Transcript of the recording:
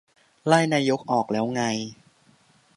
ไล่นายกออกแล้วไง ?